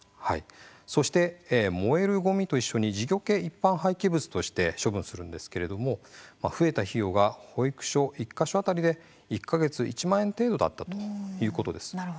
そして、燃えるごみと一緒に事業系一般廃棄物として処分するんですけれども増えた費用が保育所１か所当たりで１か月１万円程度だったということです。